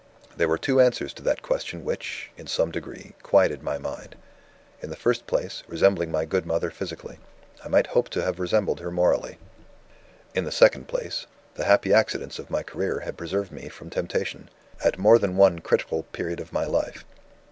There were two answers to that question which, in some degree, quieted my mind. In the first place, resembling my good mother physically, I might hope to have resembled her morally. In the second place, the happy accidents of my career had preserved me from temptation, at more than one critical period of my life.